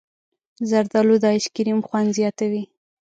زردالو د ایسکریم خوند زیاتوي.